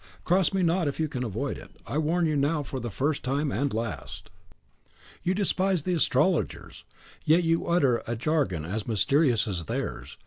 Cross me not, if you can avoid it. I warn you now for the first time and last." "You despise the astrologers, yet you utter a jargon as mysterious as theirs.